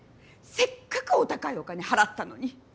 せっかくお高いお金払ったのに。